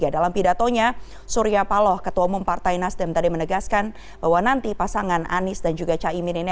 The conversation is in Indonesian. dalam pidatonya surya paloh ketua umum partai nasdem tadi menegaskan bahwa nanti pasangan anies dan juga caimin ini